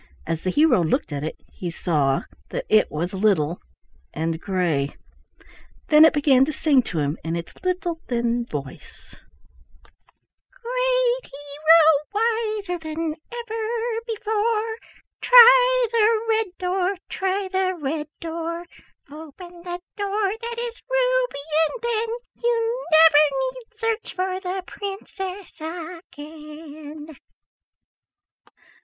As the hero looked at it he saw that it was little and gray. Then it began to sing to him in its little thin voice: "Great hero, wiser than ever before, Try the red door, try the red door. Open the door that is ruby, and then You never need search for the princess again."